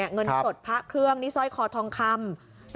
เงินอาจตรดพระเครื่องหรือซอยคอทองคำ